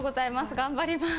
頑張ります。